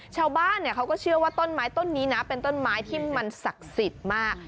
ชาวบ้านเขาก็เชื่อว่าต้นไม้ต้นนี้นะเป็นต้นไม้ที่มันศักดิ์สิทธิ์มาก